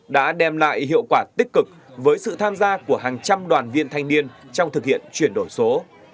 đã đem lại hiệu quả tích cực với sự tham gia của hàng trăm đoàn viên thanh niên trong thực hiện chuyển đổi số